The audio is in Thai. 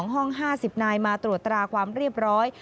ห้อง๕๐นายมาตรวจตราความเรียบร้อย